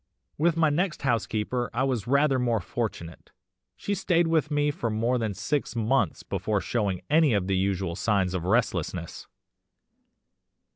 "With my next housekeeper I was rather more fortunate. She stayed with me for more than six months before showing any of the usual signs of restlessness.